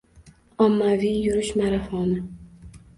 Ommaviy yurish marafoni